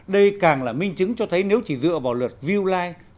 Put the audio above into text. đây càng là minh chứng cho thấy nếu chỉ dựa vào lượt view like